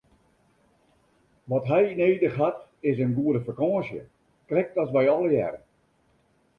Wat hy nedich hat is in goede fakânsje, krekt as wy allegearre!